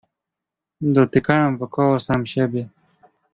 "Dotykałem wokoło sam siebie."